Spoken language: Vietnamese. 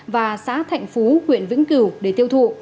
và xã thạnh phú huyện vĩnh cửu để tiêu thụ